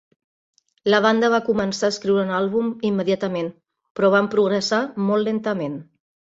La banda va començar a escriure un àlbum immediatament, però van progressar molt lentament.